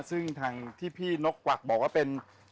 ซึ่งทางที่พี่นกกวักบอกว่าเป็น